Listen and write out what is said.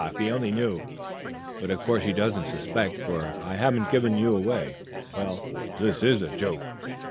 If he only knew! But of course he doesn't suspect, for I haven't given you away. Well, this is a joke!"